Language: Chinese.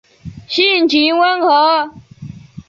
性情温和。